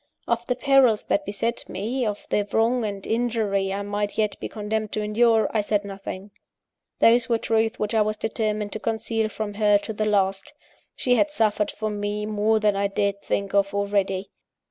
Of the perils that beset me, of the wrong and injury I might yet be condemned to endure, I said nothing. Those were truths which I was determined to conceal from her, to the last. She had suffered for me more than I dared think of, already!